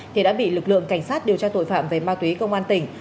thì đã bị lực lượng cảnh sát điều tra tội phạm về ma túy công an tỉnh